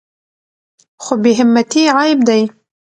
خو بې همتي عیب دی.